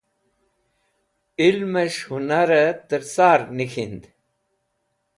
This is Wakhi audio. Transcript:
Ilmẽs̃h hũnarẽ tẽr sar nik̃hing.